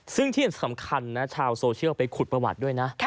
ซึ่งที่สำคัญนะชาวโซเชียลไปขุดประวัติด้วยนะ